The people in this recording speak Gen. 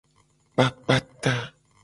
Kpakpa ta.